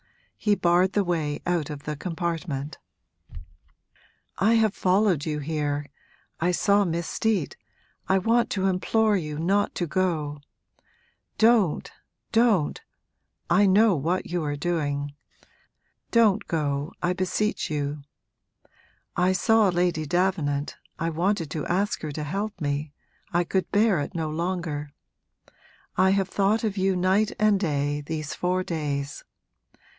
He barred the way out of the compartment. 'I have followed you here I saw Miss Steet I want to implore you not to go! Don't, don't! I know what you're doing. Don't go, I beseech you. I saw Lady Davenant, I wanted to ask her to help me, I could bear it no longer. I have thought of you, night and day, these four days.